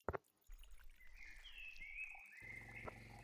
কিন্তু আমাদের সম্পর্কে আপনাদের জানা প্রয়োজন নয়।